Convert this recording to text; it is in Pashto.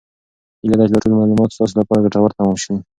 هیله ده چې دا ټول معلومات ستاسو لپاره ګټور تمام شي.